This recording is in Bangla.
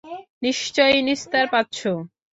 নিশ্চয়ই নিস্তার পাচ্ছো।